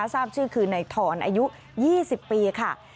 ทราบชื่อคือในทรอายุ๒๐ปีค่ะ